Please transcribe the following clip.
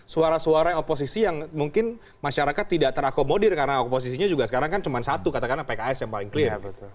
suara suara oposisi yang mungkin masyarakat tidak terakomodir karena oposisinya juga sekarang kan cuma satu katakanlah pks yang paling clear